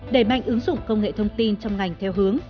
đẩy mạnh ứng dụng công nghệ thông tin trong ngành theo hướng